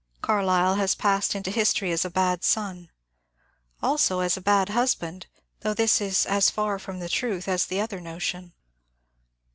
Carlyle has passed into history as a bad son. Also as a bad husband, though this is as far from the truth as the other notion.